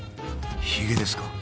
ひげですか？